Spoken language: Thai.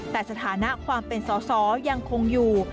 แต่สถานะความเป็นสอสอยังคงอยู่